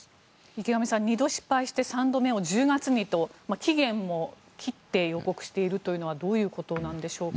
池上さん、２度失敗して３度目を１０月にと期限も切って予告しているというのはどういうことなんでしょうか。